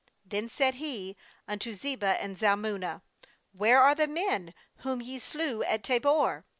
18Then said he unto Zebah and Zalmunna: 'Where are the men whom ye slew at Tabor?'